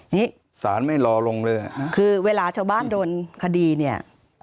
นี่สารไม่รอลงเลยคือเวลาชาวบ้านโดนคดีเนี่ย